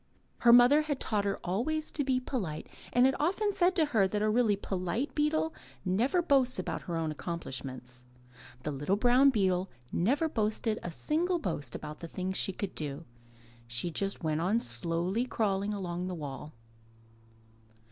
Her mother had taught her always to be polite and had often said to her that a really polite beetle never boasts about her own accom plishments. The little brown beetle never boasted a single boast about the things she could do. She just went on slowly crawling along the wall.